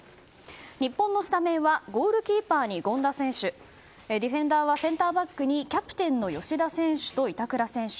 日本のスタメンはゴールキーパーに権田選手ディフェンダーはセンターバックにキャプテンの吉田選手と板倉選手。